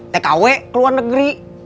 tkw keluar negeri